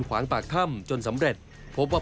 ขวางปากถ้ำจนสำเร็จพบว่า